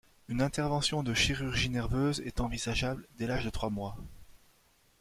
Une intervention de chirurgie nerveuse est envisageable dès l'âge de trois mois.